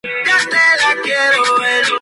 partamos